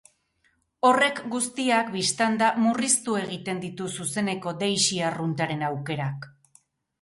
Horrek guztiak, bistan da, murriztu egiten ditu zuzeneko deixi arruntaren aukerak.